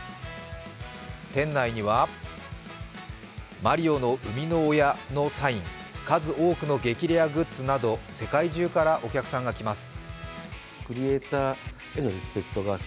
店内にはマリオの生みの親のサイン、数多くの激レアグッズなど世界中からお客さんが来ます。